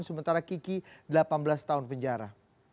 sementara kiki delapan belas tahun penjara